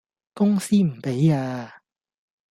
公司唔畀呀